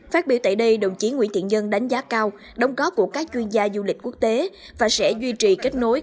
phát biểu tại đây đồng chí nguyễn thiện nhân đánh giá cao đóng góp của các chuyên gia du lịch quốc tế và sẽ duy trì kết nối